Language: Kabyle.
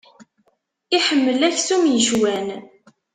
Iḥemmel aksum yecwan.